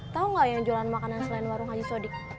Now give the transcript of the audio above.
tau gak yang jualan makanan selain warung haji sodik